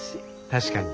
確かに。